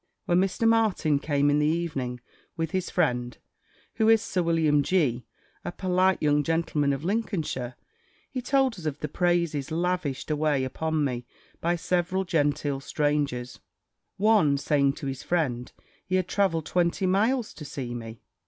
When Mr. Martin came in the evening, with his friend (who is Sir William G., a polite young gentleman of Lincolnshire), he told us of the praises lavished away upon me by several genteel strangers; one saying to his friend, he had travelled twenty miles to see me.